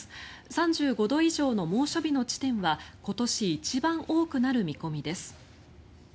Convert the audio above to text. ３５度以上の猛暑日の地点は今年一番多くなる見込みです。